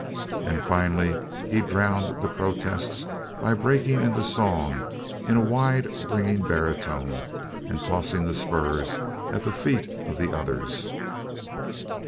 And finally he drowned the protests by breaking into song in a wide ringing baritone and tossing the spurs at the feet of the others.